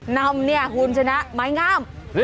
นำเนี่ยคุณชนะไม้งาม